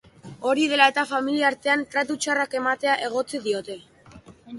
Hori dela eta, familiartean tratu txarrak ematea egotzi diote.